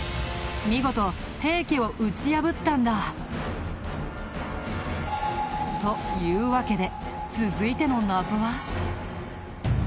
見事平家を討ち破ったんだ。というわけで続いての謎は。